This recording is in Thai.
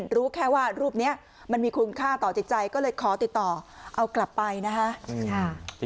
รู้แค่ว่ารูปนี้มันมีคุณค่าต่อจิตใจก็เลยขอติดต่อเอากลับไปนะคะ